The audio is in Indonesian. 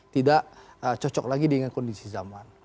tidak cocok lagi dengan kondisi zaman